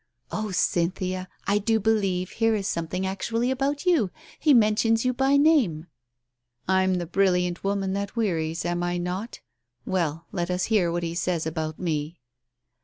Oh, Cynthia, I do believe, here is something actually about you — he mentions you by "I'm the brilliant woman that wearies, am I not? Well, let us hear what he says about me."